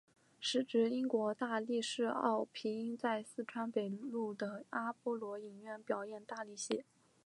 时值英国大力士奥皮音在四川北路的阿波罗影院表演大力戏。